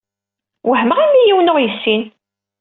Wehmeɣ imi yiwen ur aɣ-yessin.